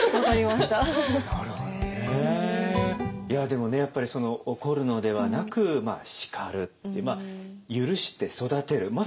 いやでもねやっぱり怒るのではなく叱るって許して育てる。